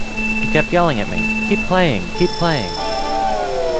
He kept yelling at me, 'Keep playing, keep playing!